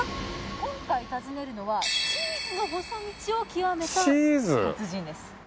今回訪ねるのはチーズの細道を極めた達人です。